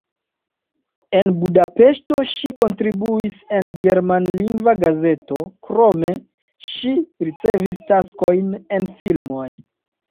En Budapeŝto ŝi kontribuis en germanlingva gazeto, krome ŝi ricevis taskojn en filmoj.